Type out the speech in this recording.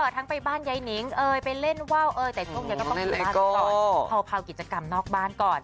ทั้งไปบ้านใยนิ้งไปเล่นว่าวแต่ต้องกิจกรรมนอกบ้านก่อน